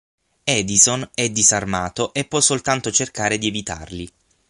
Edison è disarmato e può soltanto cercare di evitarli.